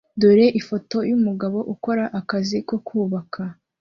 Dore ifoto yumugabo ukora akazi ko kubaka